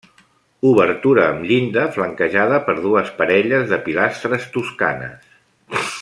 Obertura amb llinda flanquejada per dues parelles de pilastres toscanes.